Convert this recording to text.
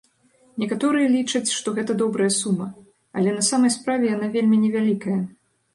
Некаторыя лічаць, што гэта добрая сума, але на самай справе яна вельмі невялікая.